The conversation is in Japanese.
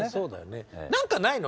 何か何かないの？